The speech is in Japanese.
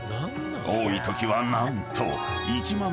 ［多いときは何と］